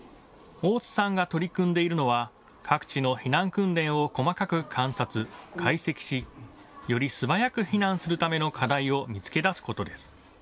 大津さんが取り組んでいるのは各地の避難訓練を細かく観察、解析し、より素早く避難するための課題を見つけ出すことです。